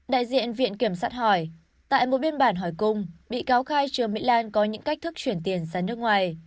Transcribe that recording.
đại diện viện kiểm sát hỏi tại một biên bản hỏi cung bị cáo khai trương mỹ lan có những cách thức chuyển tiền ra nước ngoài